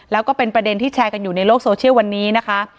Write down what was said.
แล้วก็เป็นประเด็นที่แชร์กันอยู่ในโลกโซเชียลวันนี้นะคะ